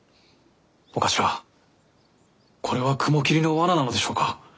長官これは雲霧の罠なのでしょうか？